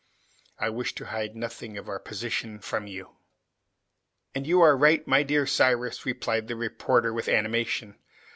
I wish to hide nothing of our position from you " "And you are right, my dear Cyrus," replied the reporter, with animation.